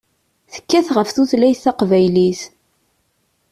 Tekkat ɣef tutlayt taqbaylit.